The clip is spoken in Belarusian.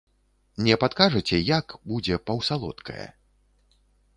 Не падкажаце, як будзе паўсалодкае?